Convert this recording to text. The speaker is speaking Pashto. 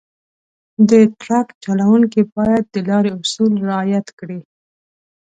د ټرک چلونکي باید د لارې اصول رعایت کړي.